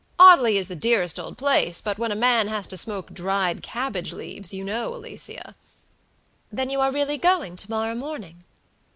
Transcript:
"Audley is the dearest old place, but when a man has to smoke dried cabbage leaves, you know, Alicia" "Then you are really going to morrow morning?"